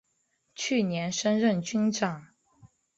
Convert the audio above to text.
次年升任军长。